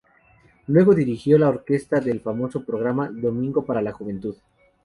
Luego dirigió la orquesta del famoso programa "Domingo para la Juventud".